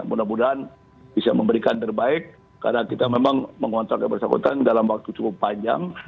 mudah mudahan bisa memberikan terbaik karena kita memang menguatalkan persyakotan dalam waktu cukup panjang